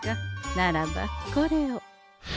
ならばこれを。